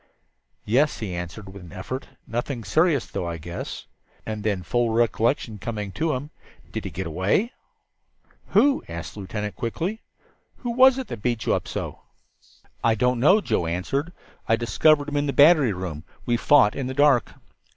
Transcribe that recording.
"Yes," he answered with an effort. "Nothing serious, though, I guess." And then, full recollection coming to him, "Did he get away?" "Who?" asked the lieutenant quickly. "Who was it beat you up so?" "I don't know," Joe answered. "I discovered him in the battery room. We fought in the dark."